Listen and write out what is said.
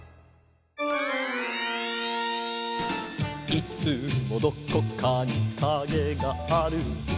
「いつもどこかにカゲがある」